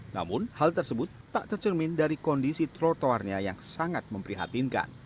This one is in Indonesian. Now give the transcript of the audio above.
namun hal tersebut tak tercermin dari kondisi trotoarnya yang sangat memprihatinkan